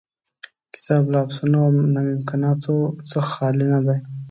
کتاب له افسانو او ناممکناتو څخه خالي نه دی.